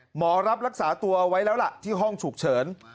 หมอรับรักษาตัวเอาไว้แล้วล่ะที่ห้องฉุกเฉิน